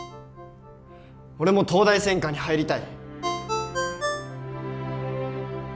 俺も東大専科に入りたい！